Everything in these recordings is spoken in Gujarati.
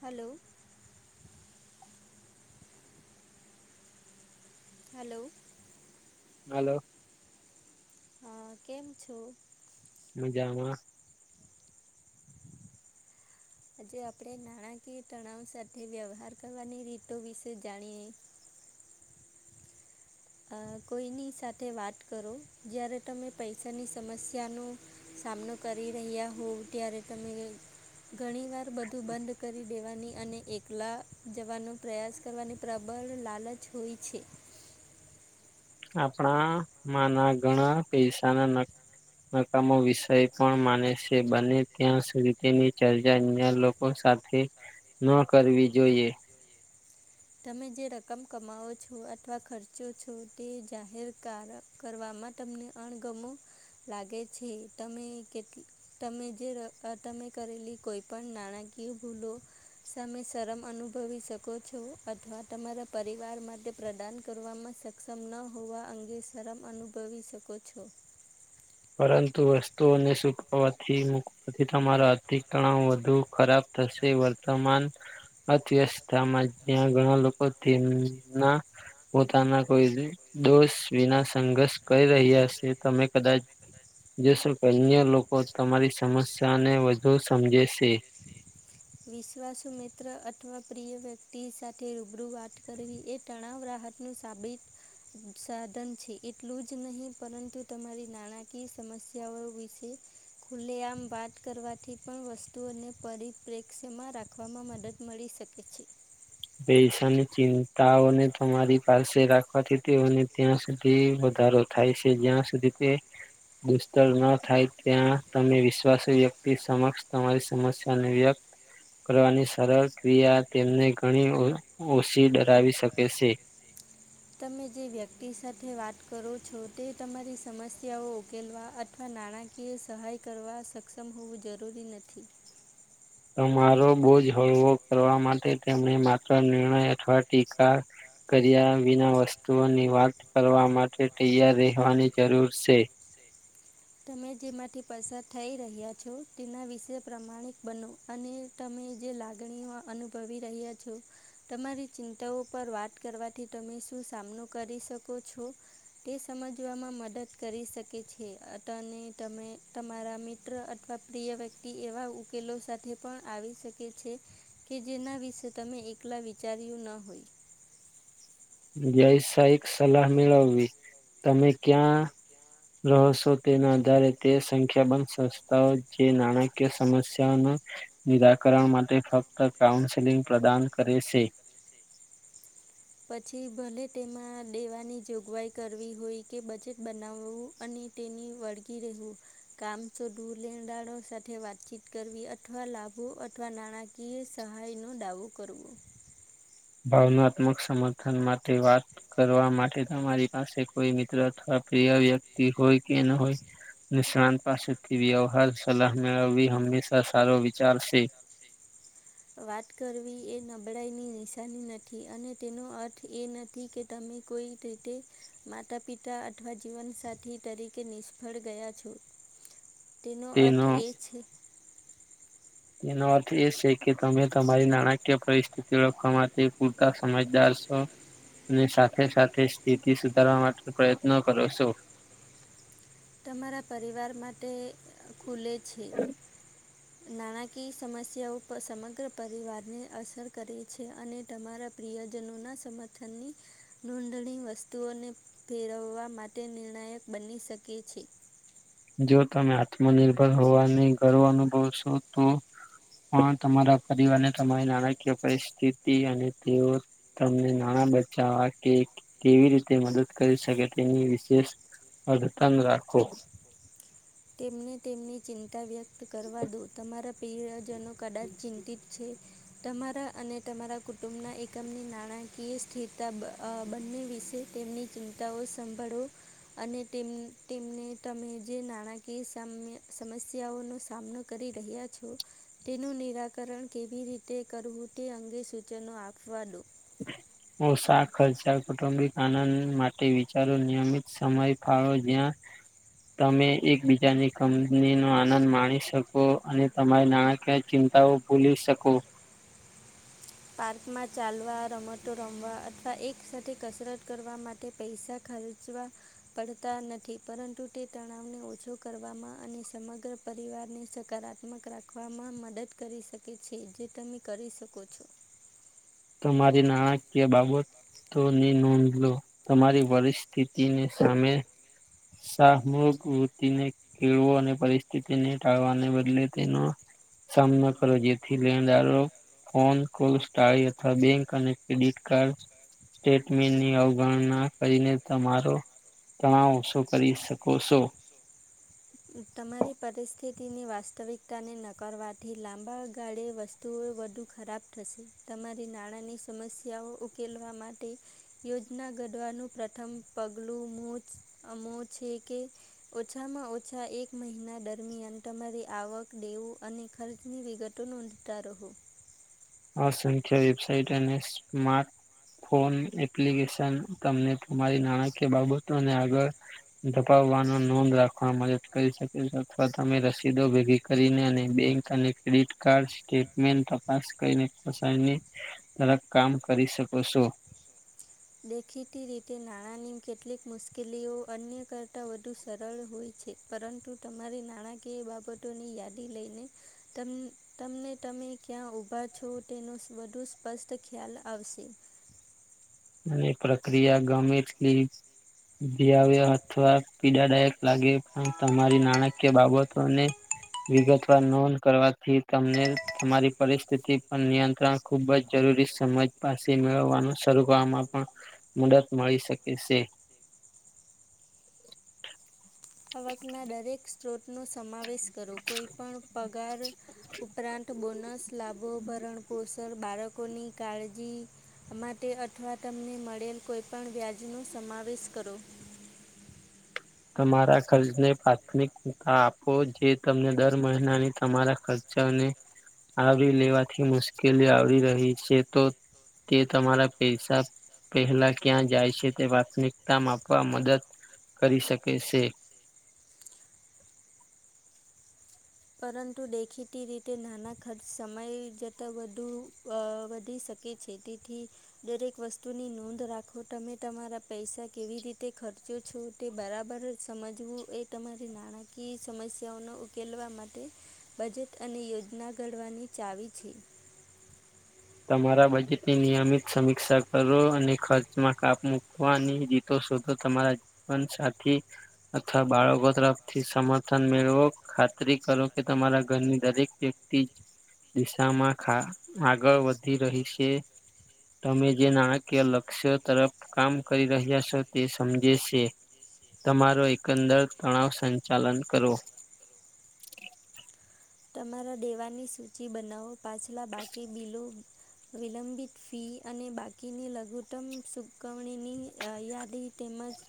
હલો હલો હલો હ કેમ છો? મજામાં [unintelligible] આજે આપણે નાણાકીય તણાવ સાથે વ્યવહાર કરવાની રીતો વિશે જાણીએ કોઈની સાથે વાત કરો જ્યારે તમે પૈસાની સમસ્યાનો સામનો કરી રહ્યા હોવ ત્યારે તમે ઘણી વાર બધું બંધ કરી દેવાની અને એકલા જવાનો પ્રયાસ કરવાની પ્રબળ લાલચ હોય છે આપણા મા ના ઘણા પૈસા ના ન મકામો વિષય પણ માને છે બને ત્યાં સુધી તેની ચર્ચા અ સાથે ન કરવી જોઈએ તમે જે રકમ કમાવો છો અથવા ખર્ચો છો તે જાહેરકારક કરવામાં તમને અણગમ લાગે છે તમે કેટલી તમે જે તમે કરેલી કોઈ પણ નાણાકીય ભૂલો સમયસરમ અનુભવી શકો છો અથવા તમારા પરિવાર માટે પ્રદાન કરવામાં સક્ષમ ન હોવા અંગે શરમ અનુભવી શકો કૂછો પરંતુ વસ્તુઓને સુૂટવાથી મુક્ થી તમારો અતિકણાવ વધુ ખરાબ થશે વર્તમાન અર્થવ્યવસ્થામાં જ્યાં ઘણા લોકો તેમના પોતાના કોઈ દોષ વિના સંઘર્ષ કરી રહ્યા હશે તમે કદાચ જે શ કે અન્ય લોકો તમારી સમસ્યાને વધુ સમજે છે વિશ્વાસ મિત્ર અથવા પ્રિય વ્યક્તિ સાથે રૂબરૂ વાત કરવી એ તણાવ રા હતા આપનું સાબિત સાધન છે એટલું જ નહીં પરંતુ તમારી નાણાકીય સમસ્યાઓ વિશે ખુલ્લે આમ વાત કરવાથી પણ વસ્તુઓને પરિ પ્રેક્ષમાં રાખવામાં મદદ મળી શકે છે પૈસાની ચિંતાઓને તમારી પાસે રાખવાથી તેને ત્યાં સુધી વધારો થાય છે જ્યાં સુધી તે દુષ્તર ન થાય ત્યાં તમે વિશ્વાસ વ્યક્તિ સમક્ષ તમારી સમસ્યાને વ્યક્ત કરવાની સરળ ક્રિયા તેમને ઘણી ઓછી ડરાવી શકે છે તમે જે વ્યક્તિ સાથે વાત કરો છો તે તમારી સમસ્યાઓ ઉકેલવા અથવા નાણાંકીય સહાય કરવા સક્ષમ હોવું જરૂરી નથી તમારો બોજ હળવો કરવા માટે તેમને માત્ર નિર્ણય અથવા ટીકા કર્યા વિના વસ્તુઓની વાત કરવા માટે તૈયાર રહેવાની જરૂર છે તમે જેમાંથી પસાર થઈ રહ્યા છો તેના વિશે પ્રમાણિક બનો અને તમે જે લાગણીઓ અનુભવી રહ્યા છો તમારી ચિંતાઓ પર વાત કરવાથી તમે શું સામનો કરી શકો છો તે સમજવામાં મદદ કરી શકે છે તમે તમારા મિત્ર અથવા પ્રિય વ્યક્તિ એવા ઉકેલો સાથે પણ આવી શકે કે છે કે જેના વિશે તમે એકલા વિચાર્યું ન હોય જય સાહેક સલાહ મેળવવી તમે ક્યાં રહશો તેના આધારે તે સંખ્યાબંધ સંસ્થાઓ જે નાણાકીય સમસ્યાઓના નિરાકરણ માટે ફક્ત કાઉન્સેલિંગ પ્રદાન કરે છે પછી ભલે તેમાં દેવાની જોગવાઈ કરવી હોય કે બજેટ બનાવવું અને તેટેની વળગી રહેું કામસોધુ લેણદાળો સાથે વાતચીત કરવી અથવા લાભો અથવા નાણાકીય ઇએ સહાયનો ડાવો કરવો ભાવનાત્મક સમર્થન માટે વાત કરવા માટે તમારી પાસે કોઈ મિત્ર અથવા પ્રિય વ્યક્તિ હોય કે ન હોય શ નિષ્ણાંત પાસેથી વ્યવહાર સલાહ મેળવવી હંમેશા સારો વિચાર સે. વાત કરવી એ નબળાઈની નિશાની નથી અને તેનો અર્થ એ નથી કે તમે કોઈ તે તે માતા-પિતા અથવા જીવનસાથી તરીકે નિષ્ફળ ગયા છો. તેનો અર્થ એ છે. તેનો અર્થ એ સે કે તમે તમારી નાણાકીય પરિસ્થિતિ ઓળખવા માટે પૂરતા સમજદાર સો. ને સાથે સાથે સ્થિતિ સુધારવા માટે પ્રયત્ન કરો સો. તમારા પરિવાર માટે ખુલે છે. નાણાકીય સમસ્યાઓ પ સમગ્ર પરિવારને અસર કરે છે અને તમારા પ્રિયજનો ના સમર્થનની નોંધણી વસ્તુઓને ફેરવવા માટે નિર્ણાયક બની શકે છે. જો તમે આત્મનિર્ભર હોવાને ગર્વ અનુભવ સો, તો. પણ તમારા પરિવારને તમારી નાણાકીય પરિસ્થિતિ અને તેઓ તમને નાણાં બચાવા કે કેવી રીતે મદદ કરી શકે, તેની વિશેષ અધ તંગ રાખો. તેમને તેમની ચિંતા વ્યક્ત કરવા દો, તમારા પીયજનો કદાચ ચિંતિત છે. તમારા અને તમારા કુટુંબના એકમની નાણાંકીય સ્થિરતા, બ અ બંને વિશે તેમની ચિંતાઓ સંભાડવો અને તેમ તેમને તમે જે નાણાંકીય કે સામ્ય સમસ્યાઓનો સામનો કરી રહ્યા છો. તેનું નિરાકરણ કેવી રીતે કરવું, તે અંગે સૂચનો આપવા દો. [unintelligible] ઓશા ખર્ચા, કુટુંબિક આનંદ માટે વિચારો. નિયમિત સમય ફાળો, જ્યાં તમે એકબીજાની કંપની નો આનંદ માણી શકો અને તમારી નાણાકીય ચિંતાઓ ભૂલી શકો? પાર્કમાં ચાલવા, રમતો રમવા અથવા એક સાથે કસરત કરવા માટે પૈસા ખર્ચ ચાવા પડતા નથી, પરંતુ તે તણાવને ઓછો કરવામાં અને સમગ્ર પરિવારને સકારાત્મક રાખવામાં મદદ કરી શકે છે, જે તમે કરી શકો છો. તમારી નાણાકીય બાબત તો ની નોંધ લો, તમારી પરિસ્થીતી ને સામે શાહમુગ વૃત્તિને કેળવો અને પરિસ્થિતિને ટાળવાને બદલે તેનો સામનો કરો, જેથી લેણદારો ફોન કોલ, સ્ટાયી અથવા બેંક અને ક્રેડિટ કાર્ડ સ્ટેટમેનની અવગણના કરીને, તમારો જણાવશો. તો કરી શકો સો. તમારી પરિસ્થિતિની વાસ્તવિકતાને નકરવાથી, લાંબા ગાળે વસ તોય વધુ ખરાબ થશે. તમારી નાણાંની સમસ્યાઓ ઉકેલવા માટે યોજના ઘડવાનું પ્રથમ પગલું, મોચ અ મો છે કે ઓછામાં-ઓછો ઓછા એક મહિના દરમિયાન, તમારી આવક, દેવું અને ખર્ચની વિગતો નોંધતા રહો. અસંખ્ય વેબસાઇટ અને સ્માર્ટ ફોન એપ્લિકેશન તમને તમારી નાણાકીય બાબતોને આગળ ધપાવવાનો નોંધ રાખવા મદદ કરી શકે છે, અથવા તમે રસીદો ભેગી કરીને અને બેંક અને ક્રેડિટ કાર્ડ સ્ટેટમેન્ટ તપાસો. કઈને ક પસાઈને તરક કામ કરી શકો સો. દેખીતી રીતે, નાણાંની કેટલીક મુશ્કેલીઓ અન્ય કરતાં વધુ સરળ હોય છે. પરંતુ તમારી નાણાકીય બાબતોની યાદી લઈને તમેં તમને તમે ક્યાં ઊભા છો, તેનો વધુ સ્પષ્ટ ખ્યાલ આવશે. અને પ્રક્રિયા ગમે તેલી જીવ્યો અથવા પીડાદાયક લાગે, પણ તમારી નાણાકીય બાબતોને વિગતવાર નોંધ કરવાથી, તમને તમારી પરિસ્થિતિ પર નિયંત્રણ ખુબ જ જરૂરી, સમજ પાસે મેળવવાનું શરૂ વામાં પણ મુદત મળી શકે છે આવકના દરેક સ્ત્રોતનોો સમાવેશ કરો કોઈ પણ પગાર ઉપરાંત બોનસ લાભો ભરણ પોષણ બાળકોની કાળજી માટે અથવા તમને મળેલ કોઈપણ વ્યાજનો સમાવેશ કરો તમારા ખર્ચને પ્રાથમિકતા આપો જે તમને દર મહિનાની તમારા ખર્ચ ને આવરી લેવાથી મુશ્કેલી આવ રહી છે તો તે તમારા પૈસા પહેલા ક્યાં જાય છે તે પ્રાથમિકતામ આપવા મદદ કરી શકે છે પરંતુ દેખીતી રીતે નાના ખર્ચ સમય જતા વધુ વધી શકે છેતી થી દરેક વસ્તુની નોંધ રાખો તમે તમારા પૈસા કેવી રીતે ખર્ચો છો તે બરાબર સમજવું એ તમારી નાણાકીય સમસ્યાઓને ઉકેલવા માટે બજેટ અને યોજના ઘડવાની ચાવી છે તમારા બજેટની નિયમિત સમીક્ષા કરો અને ખર્ચમાં કાપ મુૂકવાની રી તો શધો તમારા જીવનસાથી અથવા બાળકો તરફથી સમર્થન મેળવો ખાતરી કરો કે તમારા ઘરની દરેક વ્યક્તિ જ દિશામાં ખા આગળ વધી રહી છે તમે જે નાણાકીય લક્ષ્ય તરફ કામ કરી રહ્યા છો તે સમજે છે તમારો એકંદર તણાવ સંચાલન કરો તમારા દેવાની સૂચિ બનાવો પાછલા બાકી બિલો વિલંબિત ફી અને બાકીની લઘુત્તમ સુકવણીની યાદી તેમજ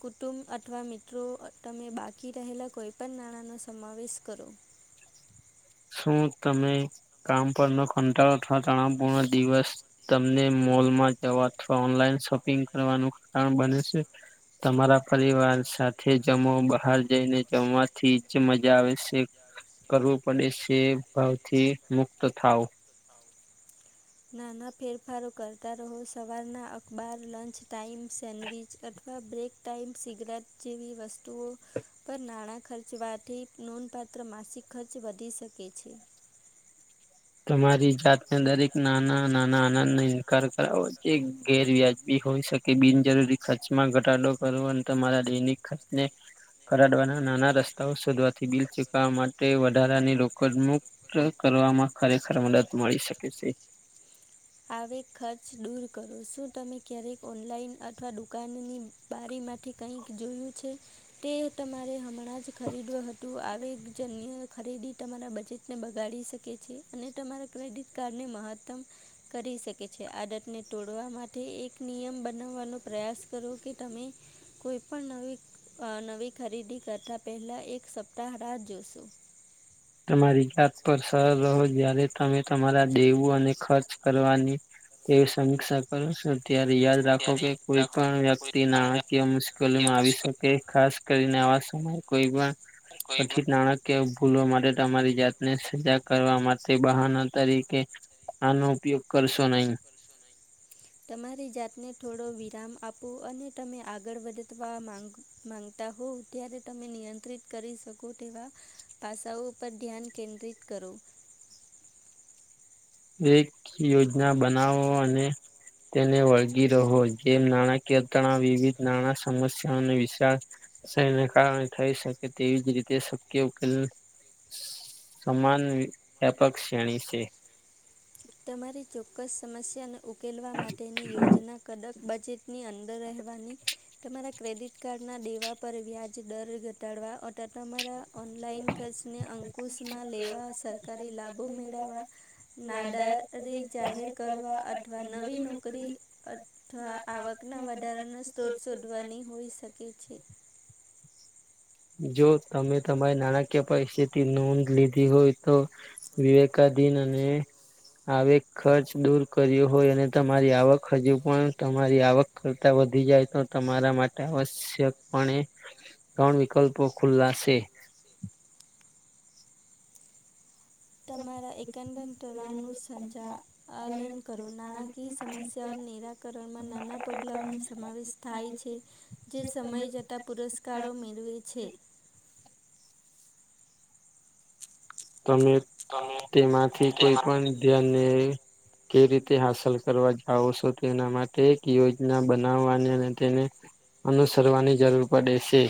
કુટુંબ અથવા મિત્રો તમે બાકી રહેલા કોઈપણ નાણાંનો સમાવેશ કરો શું તમે કામ પરનો કંટાળો અથવા તણાવપૂર્ણ દિવસ તમને મોલમાં જવા અથવા ઓનલાઈન શોપિંગ કરવાનું કારણ બને છે તમારા પરિવાર સાથે જમો બહાર જઈને જમવાથી જ મજા આવે છે કરવું પડે છે ભાવથી મુક્ત થાવ નાના ફેરફારો કરતા રહો સવારના અખબાર લંચ ટાાઈમ સેન્ડવિચ અથવા બ્રેક ટાઈમ સિગરેટ જેવી વસ્તુઓ પર નાણાં ખર્ચવાથી નોંધપાત્ર માસિક ખર્ચ વધી શકે છે તમારી જાતને દરેક નાના નાના આનંદ નો ઇન્કાર કરાવો જે ગેર વ્યાજબી હોય શકે કે બિનજરૂરી ખર્ચમાં ઘટાડો કરવો અને તમારા દૈનિક ખર્ચને કરાડવાના નાના રસ્તાઓ શોધવાથી બિલ ચૂકવા માટે વધારાની રોકડ મુક કરવામાં ખરેખર મદદ મળી શકે છે આવે ખર્ચ દૂર કરો શું તમે ક્યારેક ઓનલાઈન અથવા દુકાનની બારીમાંથી કંઈક જોયું છે તે તમારે હમણાં જ ખરીદવ હતું આવે જન્ય ખરીદી તમારા બજેટને બગાડી શકે છે અને તમારા ક્રેડિટ કાર્ડને મહત્તમ કરી શકે છે આડતને તોડવા માટે એક નિયમ બનાવવાનો પ્રયાસ કરો કે તમે કોઈપણ નવી નવી ખરીદી કરતાં પહેલાં એક સપ્તાહ રાહ જોશું તમારી જાત પર સરળ રહો જય્યારે તમે તમારા દેવું અને ખર્ચ કરવાની તેવી સમીક્ષા કરું છું ત્યારે યા રાખો કે કોઈ પણ વ્યક્તિ નાણાકીય મુશ્કેલી માં આવી શકે ખાસ કરીને આવા સમયે કોઈ પણ કથિત નાણાકીય ભૂલો માટે તમારી જાતને સજા કરવા માટે બહાના તરીકે આનો ઉપયોગ કરશો નઈ તમારી જાતને થોડો વિરામ આપો અને તમે આગળ વધવા માંગો માગતા હોવ ત્યારે તમે નિયંત્રિત કરી શકો તેવા પાસાઓ પરર ધ્યાન કેન્દ્રિત કરો એક યોજના બનાવો અને તેને વળગી રહો જેમ નાણાકીતણ વિવિધ નાણા સમસ્યા વિશળ શે ને કારણે થઈ શકે તેવી જ રીતે શક્ય ઉકેલ સમાન વ્યાપક શ્રેણી છે. તમારી ચોક્કસ સમસ્યા ન. ઉકેલવા માટેની યોજના કડક બજેટની અંદર રહેવાની તમારા ક્રેડિટ કાર્ડના દેવા પર વ્યાજ દર ઘટાડવા તો તમારા ઓનલાઈન ખર્ચને અંકુશમાં લેવા સરકારી લાભો મેળવવા નાદારી જાહેર કરવા અથવા નવી નોકરી અ થ આવકના વધારાનો સ્ત્રોત શોધવાની હોઈ શકે છે. જો તમે સમય નાણાકીય પસેિતથી નોંધ લીધી હોય તો વિવેકાધીન અને આવે ખર્ચ દૂર કર્યો હોય અને તમારી આવક હજુ પણ તમારી આવક કરતા વધી જાય તો તમારા માટે આવશ્યક પણણે ત્રણ વિકલ્પ પખુલ્લાશે તમારા એકંદન તળવનું સંજા આલન કરૂના નાણાકીય સમસ્યાઓ નિરાકરણમાં નાના પગલાઓ ન સમાવેશ થાય છે જે સમય જતા પુરસ્કારો મેળવે છે. તમે તેમાંથી કોઈ પણ ધ્યાનને કે રીતે હાંસલ કરવા જાઓ છો તેના માટે એક યોજના બનાવવાની અને તેને અનુસરવાની જરૂર પડે છે.